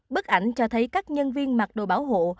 bức ảnh cho thấy các nhân viên mặc đồ bảo hộ